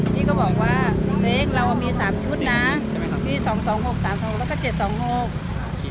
มี๓ชุดนะมี๒๒๖๓๒๖แล้วก็๗๒๖